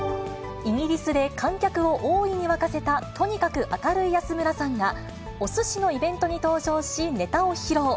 イギリスで観客を大いに沸かせたとにかく明るい安村さんが、おすしのイベントに登場し、ネタを披露。